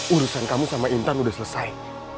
urusan kamu sama intan udah selesai